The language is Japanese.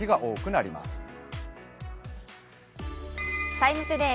「ＴＩＭＥ，ＴＯＤＡＹ」